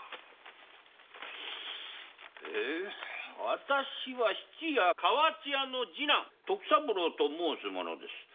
「私は質屋河内屋の次男徳三郎と申す者です」